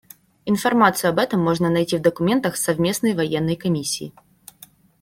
Информацию об этом можно найти в документах Совместной военной комиссии.